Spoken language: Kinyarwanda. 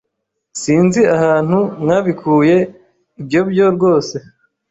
sinzi ahantu mwabikuye ibyo byo rwose